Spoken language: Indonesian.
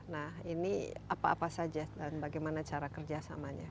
nah ini apa apa saja dan bagaimana cara kerjasamanya